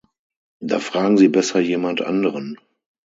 Da fragen Sie besser jemand anderen.